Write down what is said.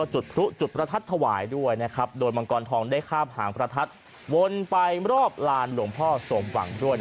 ถูกจุดประทัดถวายด้วยโดดมังกรทองได้ข้ามหางประทัดวนไปรอบลานหลวงพ่อสมหวังด้วย